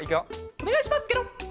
おねがいしますケロ！